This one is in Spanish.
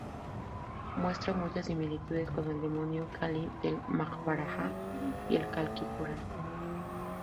Muestra muchas similitudes con el demonio Kali del "Majábharata" y el "Kalki-purana".